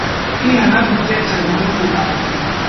kwihana ku byerekeranye no guhaza